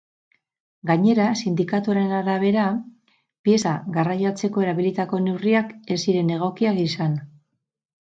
Gainera, sindikatuaren arabera, pieza garraiatzeko erabilitako neurriak ez ziren egokiak izan.